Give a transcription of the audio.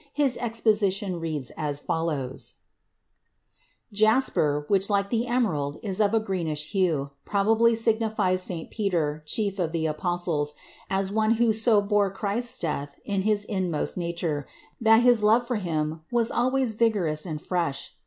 His exposition reads as follows: The jasper, which like the emerald is of a greenish hue, probably signifies St. Peter, chief of the apostles, as one who so bore Christ's death in his inmost nature that his love for Him was always vigorous and fresh.